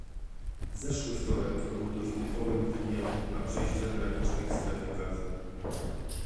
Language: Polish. Zeszły wtorek był dość typowym dniem na przejściach granicznych w Strefie Gazy